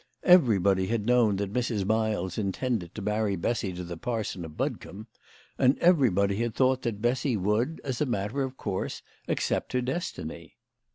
Everybody had known that Mrs. Miles intended to marry Bessy to the parson of Budcombe, and every body had thought that Bessy would, as a matter of course, accept her destiny.